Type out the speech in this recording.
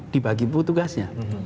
dibagi buku tugasnya